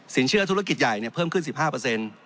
เชื่อธุรกิจใหญ่เพิ่มขึ้น๑๕